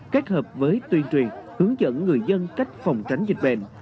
kết hợp với tuyên truyền hướng dẫn người dân cách phòng tránh dịch bệnh